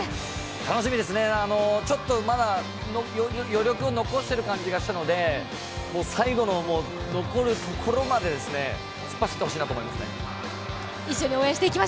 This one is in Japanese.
楽しみですね、まだちょっと余力を残している感じがしたので最後の残るところまで、突っ走ってほしいなと思いますね。